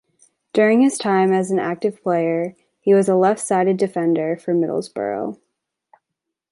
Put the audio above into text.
During his time as an active player, he was a left-sided defender for Middlesbrough.